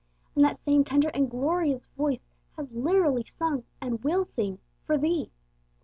And that same tender and 'glorious Voice' has literally sung and will sing 'for thee.'